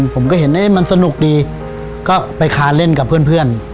ผมก็เห็นมันสนุกดีก็ไปคาเล่นกับเพื่อน